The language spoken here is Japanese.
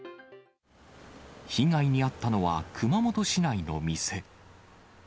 被害に遭ったのは、熊本市内の店。